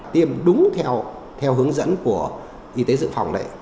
tiêm đúng theo hướng dẫn của y tế dự phòng đấy